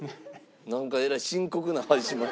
なんかえらい深刻な始まり。